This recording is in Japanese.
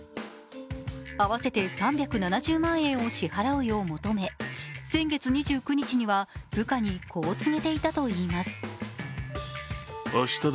合わせて３７０万円を支払うよう求め先月２９日には部下にこう告げていたといいます。